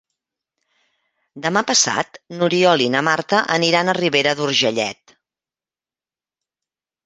Demà passat n'Oriol i na Marta aniran a Ribera d'Urgellet.